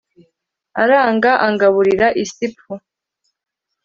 aranga angaburira isiì pfu